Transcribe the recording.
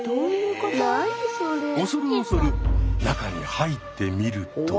恐る恐る中に入ってみると。